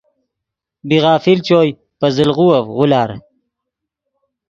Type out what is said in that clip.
بی غافل چوئے پے زل غووف غولار